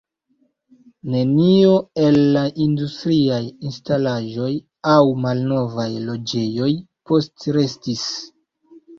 Nenio el la industriaj instalaĵoj aŭ malnovaj loĝejoj postrestis.